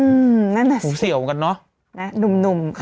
อืมนั่นแหละสิดูเสี่ยวกันเนอะดุ่มเขาบอก